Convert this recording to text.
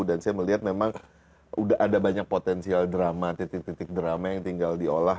dan saya melihat memang sudah ada banyak potensial drama titik titik drama yang tinggal diolah